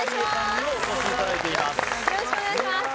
よろしくお願いします